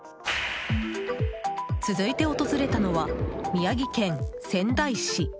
続いて訪れたのは、宮城県仙台市。